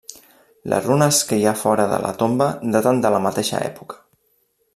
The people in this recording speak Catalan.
Les runes que hi ha fora de la tomba daten de la mateixa època.